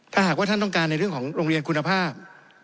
ถ้าหากว่าท่านต้องการในเรื่องของโรงเรียนคุณภาพ